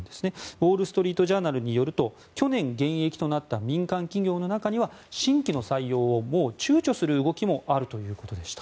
ウォール・ストリート・ジャーナルによると去年、減益となった民間企業の中には新規の採用をもう躊躇する動きもあるということでした。